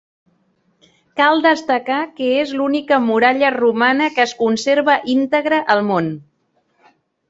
Cal destacar que és l'única muralla romana que es conserva íntegra al món.